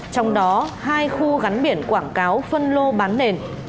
trong đó hai khu gắn biển quảng cáo phân lô bán nền